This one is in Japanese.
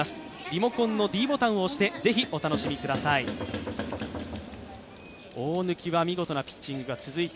リモコンのｄボタンを押して、ぜひお楽しみください。